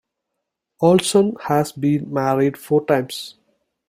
Olson has been married four times.